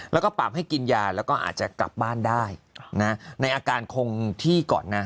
แล้วก็ปรับให้กินยาแล้วก็อาจจะกลับบ้านได้ในอาการคงที่ก่อนนะ